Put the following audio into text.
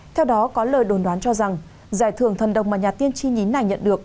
theo đó có lời đồn đoán cho rằng giải thưởng thần đồng mà nhà tiên chi nhí này nhận được